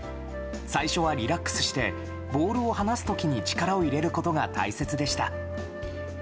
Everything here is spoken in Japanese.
最初はリラックスしてボールを離す時に力を入れることが大切でした。